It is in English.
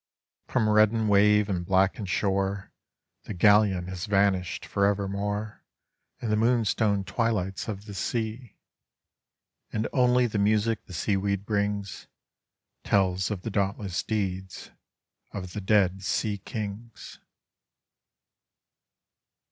Prom reddened wave and blackened shore The galleon has vanished forever more In the moonstone twilights of the sea; And only the music the seaweed brings Tells of the dauntless deeds of the dead seakings.